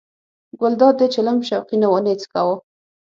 ګلداد د چلم شوقي نه و نه یې څکاوه.